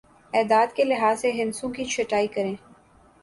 اعداد کے لحاظ سے ہندسوں کی چھٹائی کریں